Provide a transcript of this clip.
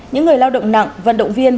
những người lao động nặng vận động viên